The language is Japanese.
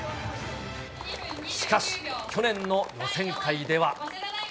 しかし、去年の予選会では。